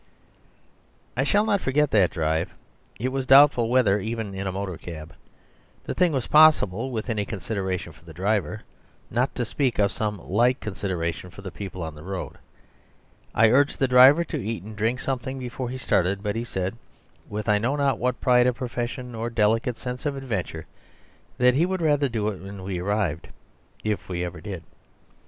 ..... I shall not forget that drive. It was doubtful whether, even in a motor cab, the thing was possible with any consideration for the driver, not to speak of some slight consideration for the people in the road. I urged the driver to eat and drink something before he started, but he said (with I know not what pride of profession or delicate sense of adventure) that he would rather do it when we arrived if we ever did.